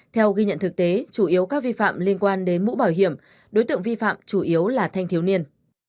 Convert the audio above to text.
theo ghi nhận thực tế chủ yếu các vi phạm liên quan đến mũ bảo hiểm đối tượng vi phạm chủ yếu là thanh thiếu niên